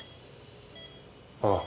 ああ。